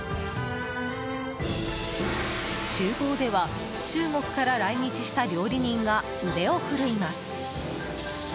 厨房では中国から来日した料理人が腕を振るいます。